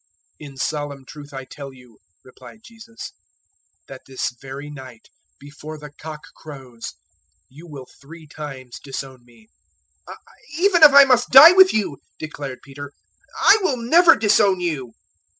026:034 "In solemn truth I tell you," replied Jesus, "that this very night, before the cock crows, you will three times disown me." 026:035 "Even if I must die with you," declared Peter, "I will never disown you."